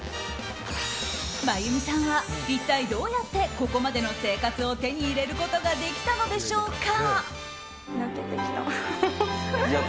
真弓さんは、一体どうやってここまでの生活を手に入れることができたのでしょうか。